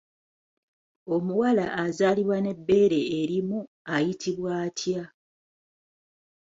Omuwala azaalibwa n'ebbeere erimu ayitibwa atya?